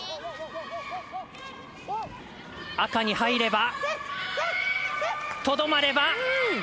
赤に入ればとどまれば。